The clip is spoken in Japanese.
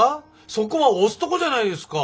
そこは押すとこじゃないですか。